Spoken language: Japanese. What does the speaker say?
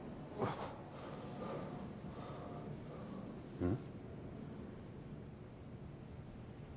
うん？